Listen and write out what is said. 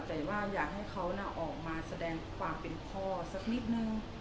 แต่ว่าอยากให้เขาออกมาแสดงความเป็นพ่อสักนิดนึง